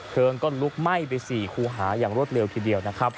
เคริงก็ลุกไหม้ไปสี่คูฮาอย่างรวดเร็วทีเดียว